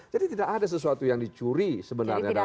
jadi tidak ada sesuatu yang dicuri sebenarnya dalam hal ini